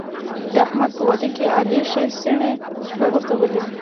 د احمد په واده کې علي ښې څڼې وغورځولې.